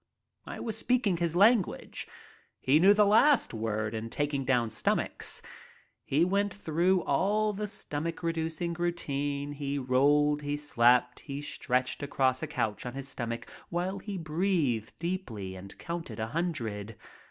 I was speaking his language. He knew the last word in taking down stomachs. He went through all the stomach reducing routine. He rolled, he slapped, he stretched across a couch on his stomach while he breathed deeply and counted a hundred.